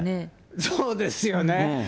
そうですよね。